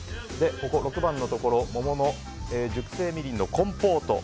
６番のところ桃の熟成みりんのコンポート。